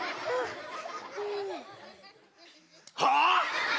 はあ！？